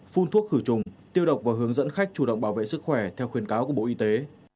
phun thuốc khử trùng tiêu độc và hướng dẫn khách chủ động bảo vệ sức khỏe theo khuyến cáo của bộ y tế